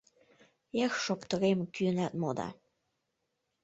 Эх, шоптырем, кӱынат мо да